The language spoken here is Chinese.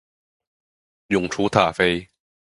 永雏塔菲